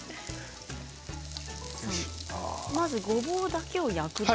まず、ごぼうだけを焼いて。